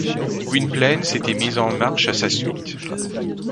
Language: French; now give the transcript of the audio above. Gwynplaine s’était mis en marche à sa suite.